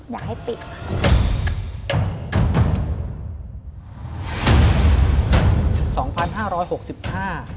อยากให้ปิดค่ะ